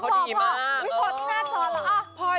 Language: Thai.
ชอบบ้านทุกคน